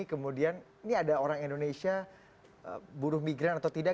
kemudian ini ada orang indonesia buruh migran atau tidak